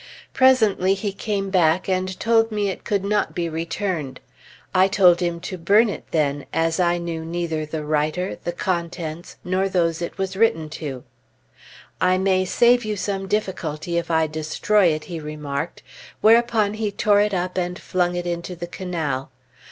Presently he came back and told me it could not be returned. I told him to burn it then, as I neither knew the writer, the contents, nor those it was written to. "I may save you some difficulty if I destroy it," he remarked, whereupon he tore it up and flung it into the canal.